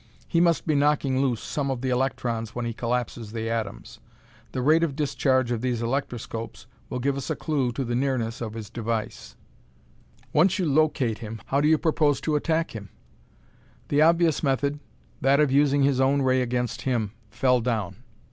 He must be knocking loose some of the electrons when he collapses the atoms. The rate of discharge of these electroscopes will give us a clue to the nearness of his device." "Once you locate him, how do you propose to attack him?" "The obvious method, that of using his own ray against him, fell down.